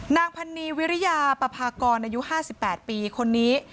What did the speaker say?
นางพันนีวิริยาปภากรอายุ๕๘ปีคนนี้